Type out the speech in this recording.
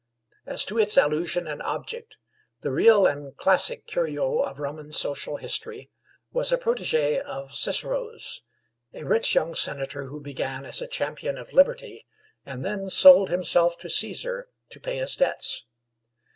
As to its allusion and object, the real and classic Curio of Roman social history was a protégé of Cicero's, a rich young Senator, who began as a champion of liberty and then sold himself to Caesar to pay his debts.